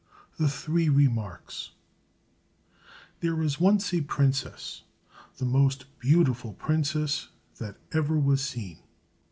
THE THREE REMARKS There was once a princess, the most beautiful princess that ever was seen.